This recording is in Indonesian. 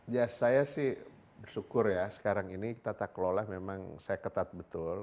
ya saya sih bersyukur ya sekarang ini tata kelola memang saya ketat betul